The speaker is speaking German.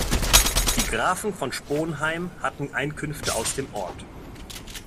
Die Grafen von Sponheim hatten Einkünfte aus dem Ort.